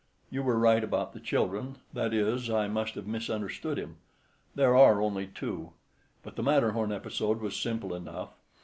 You were right about the children—that is, I must have misunderstood him. There are only two. But the Matterhorn episode was simple enough.